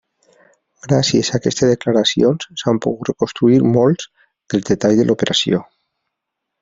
Gràcies a aquestes declaracions s'han pogut reconstruir molts dels detalls de l'operació.